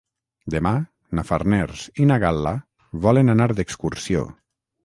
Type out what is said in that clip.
Demà na Farners i na Gal·la volen anar d'excursió.